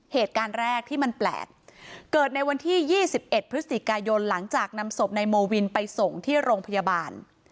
เหตุการณ์แรกที่มันแปลกเกิดในวันที่๒๑พฤศจิกายนหลังจากนำศพนายโมวินไปส่งที่โรงพยาบาล